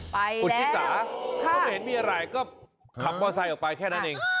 ไปแล้วคุณอุทธาหรรณ์ถ้าไม่เห็นมีอะไรก็ขับมอเตอร์ไซด์ออกไปแค่นั้นเอง